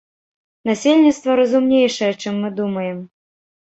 Насельніцтва разумнейшае, чым мы думаем.